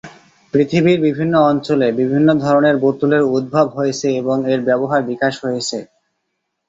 পৃথিবীর বিভিন্ন অঞ্চলে বিভিন্ন ধরনের বোতলের উদ্ভব হয়েছে এবং এর ব্যবহার বিকাশ হয়েছে।